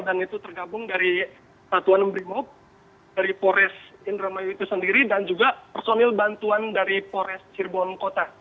dan itu tergabung dari satuan embrimob dari polis indramayu itu sendiri dan juga personil bantuan dari polis sirbon kota